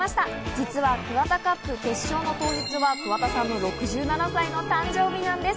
実はＫＵＷＡＴＡＣＵＰ決勝の当日は桑田さんの６７歳の誕生日なんです。